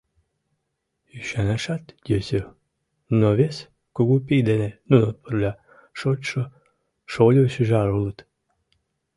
— Ӱшанашат йӧсӧ, но вес кугу пий дене нуно пырля шочшо шольо-шӱжар улыт.